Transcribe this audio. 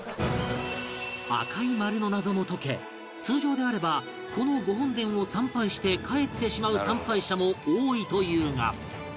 赤い丸の謎も解け通常であればこの御本殿を参拝して帰ってしまう参拝者も多いというが